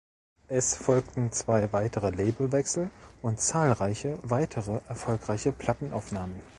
Es folgten zwei weitere Labelwechsel und zahlreiche weitere erfolgreiche Plattenaufnahmen.